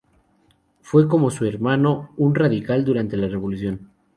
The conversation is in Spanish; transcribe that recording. Fue, como su hermano, un radical durante la Revolución.